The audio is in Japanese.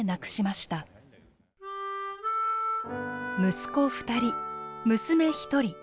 息子２人娘１人。